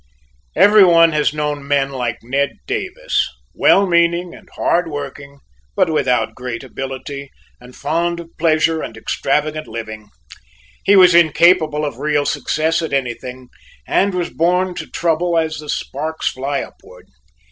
Every one has known men like Ned Davis; well meaning and hard working, but without great ability, and fond of pleasure and extravagant living; he was incapable of real success at anything, and was born to trouble as the sparks fly upward.